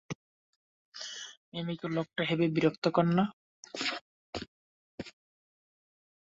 মিমিকো, লোকটা হেবি বিরক্তিকর না?